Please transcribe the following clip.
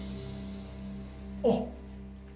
あっ。